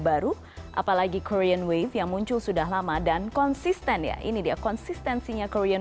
baru apalagi korean wave yang muncul sudah lama dan konsisten ya ini dia konsistensinya korean